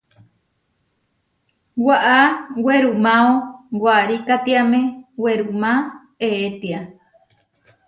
Waʼá werumáo warikátiame werumá eʼétia.